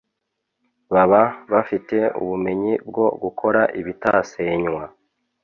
baba bafite ubumenyi bwo gukora ibitasenywa